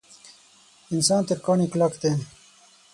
انسان تر کاڼي کلک دی.